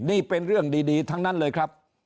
นี่เป็นเรื่องดีทั้งนั้นเลยครับ